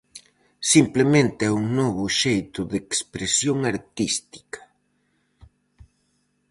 Simplemente é un novo xeito de expresión artística.